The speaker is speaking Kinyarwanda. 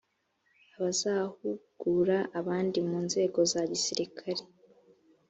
abazahugura abandi mu nzego za gisirikare